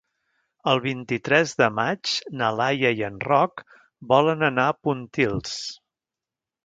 El vint-i-tres de maig na Laia i en Roc volen anar a Pontils.